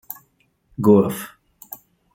Go Off!